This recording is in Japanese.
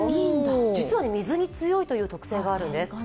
実は、水に強いという特性があるんです。